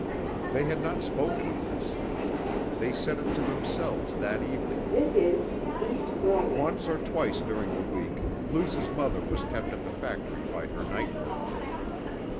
They had not spoken of this. They said it to themselves that evening. Once or twice during the week Luce's mother was kept at the factory by her night work.